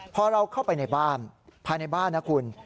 พอเราเข้าไปในบ้านภายในบ้านนะคุณ